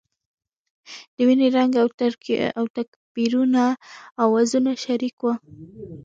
د وینې رنګ او تکبیرونو اوازونه شریک وو.